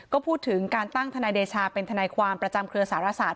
ก็พูดถึงการตั้งทนายเดชาเป็นทนายความประจำเครือสารศาสต